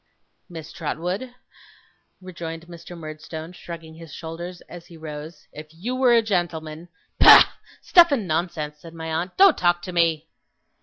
'Miss Trotwood,' rejoined Mr. Murdstone, shrugging his shoulders, as he rose, 'if you were a gentleman ' 'Bah! Stuff and nonsense!' said my aunt. 'Don't talk to me!